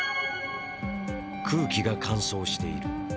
空気が乾燥している。